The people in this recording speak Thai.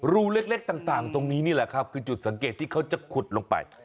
รูเล็กต่างตรงนี้นี่แหละครับคือจุดสังเกตที่เขาจะขุดลงไป